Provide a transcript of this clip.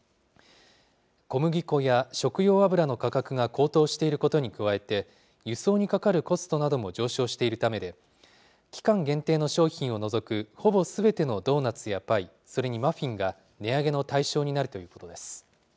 小麦粉や食用油の価格が高騰していることに加えて、輸送にかかるコストなども上昇しているためで、期間限定の商品を除くほぼすべてのドーナツやパイ、それにマフィンが値上げの対象になるということです。